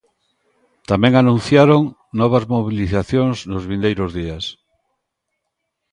Tamén anunciaron novas mobilizacións nos vindeiros días.